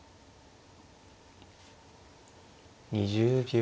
２０秒。